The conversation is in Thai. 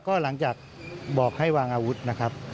ก็หลังจากบอกให้วางอาวุธนะครับ